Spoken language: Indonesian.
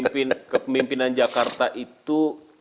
pemimpinan jakarta itu